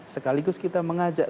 sekaligus kita mengajak